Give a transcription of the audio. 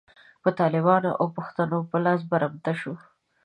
په طالبانو او پښتنو په لاس برمته شوه.